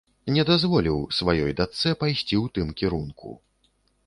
Не дазволіў сваёй дачцэ пайсці у тым кірунку.